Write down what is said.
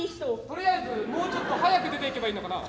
とりあえずもうちょっと早く出ていけばいいのかな？